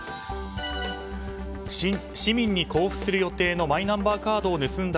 市民に交付する予定のマイナンバーカードを盗んだ